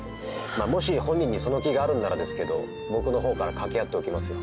もし本人にその気があるんならですけど僕の方から掛け合っておきますよ。